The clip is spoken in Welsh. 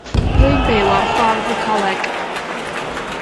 Rwy'n byw ar Ffordd y Coleg.